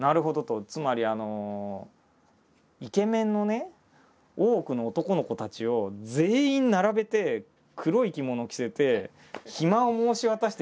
つまりイケメンの大奥の男の子たちを全員並べて黒い着物を着せて暇を申し渡して出てけ！